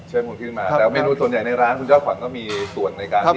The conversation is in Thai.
หมูขึ้นมาแต่เมนูส่วนใหญ่ในร้านคุณยอดขวัญก็มีส่วนในการที่